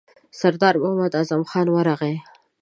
سردار محمد اعظم خان ورغی.